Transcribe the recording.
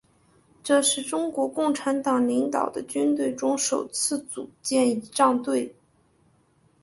这是中国共产党领导的军队中首次组建仪仗队。